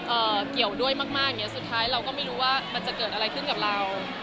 เกี่ยวด้วยมากมากอย่างเงี้สุดท้ายเราก็ไม่รู้ว่ามันจะเกิดอะไรขึ้นกับเรา